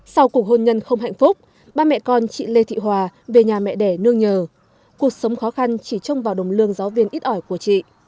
sau cuộc hôn nhân không hạnh phúc ba mẹ con chị lê thị hòa về nhà mẹ đẻ nương nhờ cuộc sống khó khăn chỉ trông vào đồng lương giáo viên ít ỏi của chị